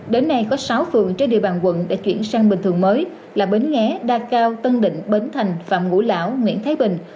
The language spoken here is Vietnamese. đến nay có sáu phường trên địa bàn quận đã chuyển sang bình thường mới là bến nghé đa cao tân định bến thành phạm ngũ lão nguyễn thái bình